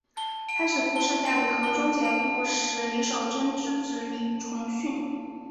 开始符氏嫁给河中节度使李守贞之子李崇训。